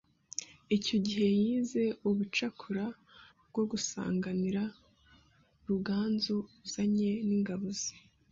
Icyo gihe yize ubucakura bwo gusanganira Ruganzu azanye n’Ingabo ze